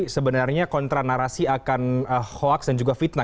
sebenarnya kontra narasi akan hoax dan juga fitnah